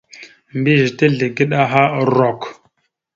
Mbiyez tezlegeɗ aha rrok.